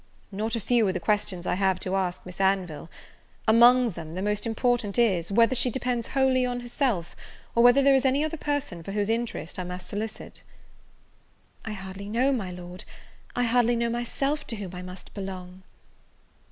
"Not a few are the questions I have to ask Miss Anville: among them, the most important is, whether she depends wholly on herself, or whether there is any other person for whose interest I must solicit?" "I hardly know, my Lord, I hardly know myself to whom I most belong."